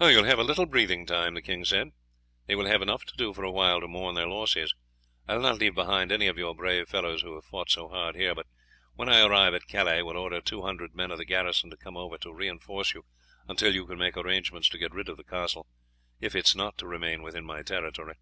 "You will have a little breathing time," the king said; "they will have enough to do for a while to mourn their losses. I will not leave behind any of your brave fellows who have fought so hard here, but when I arrive at Calais will order two hundred men of the garrison to come over to reinforce you until you can make arrangements to get rid of the castle, if it is not to remain within my territory."